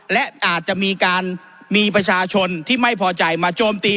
และอาจจะมีการมีประชาชนที่ไม่พอใจมาโจมตี